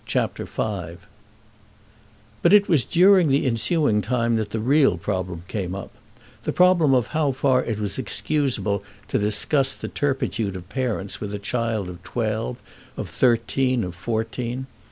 CHAPTER V But it was during the ensuing time that the real problem came up—the problem of how far it was excusable to discuss the turpitude of parents with a child of twelve, of thirteen, of fourteen.